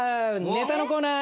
ネタのコーナー！